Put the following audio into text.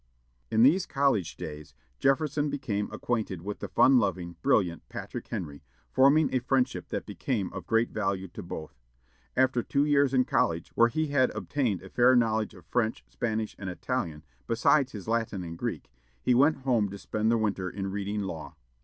In these college days, Jefferson became acquainted with the fun loving, brilliant Patrick Henry, forming a friendship that became of great value to both. After two years in college, where he had obtained a fair knowledge of French, Spanish, and Italian, besides his Latin and Greek, he went home to spend the winter in reading law.